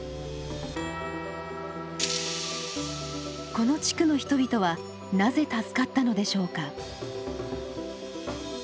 この地区の人々はなぜ助かったのでしょうか？